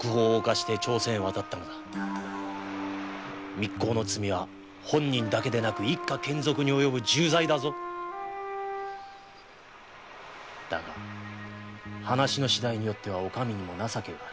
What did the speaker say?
密航の罪は本人だけでなく一家けん族に及ぶ重罪だぞだが話の次第によってはお上にも情けがある。